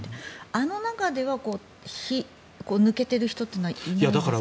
あの中では抜けてる人というのはいないんですか？